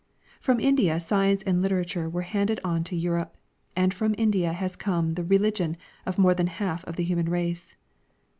From India science and literature viere handed on to Europe, and from India has come the religion of more than half of the human race.